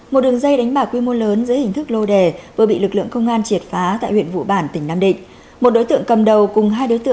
một đường dây đánh bạc quy mô lớn dưới hình thức lô đề vừa bị lực lượng công an triệt phá tại huyện vũ bản tỉnh nam định